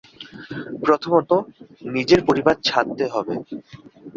প্রথমত, নিজের পরিবার ছাড়তে হবে।